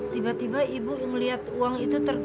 tiba tiba ibu melihat uang itu terkenal